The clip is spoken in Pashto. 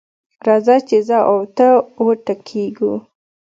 راځه چې زه او ته وټکېږو.